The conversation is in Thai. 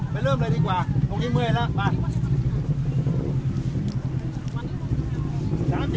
เริ่มเลยดีกว่าตรงนี้เมื่อยแล้วไป